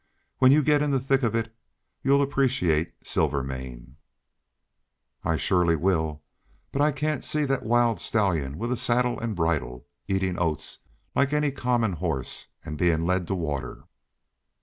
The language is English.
When you get in the thick of it you'll appreciate Silvermane." "I surely will. But I can't see that wild stallion with a saddle and a bridle, eating oats like any common horse, and being led to water."